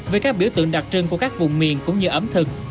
về các biểu tượng đặc trưng của các vùng miền cũng như ẩm thực